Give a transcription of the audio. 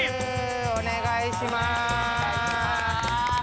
お願いします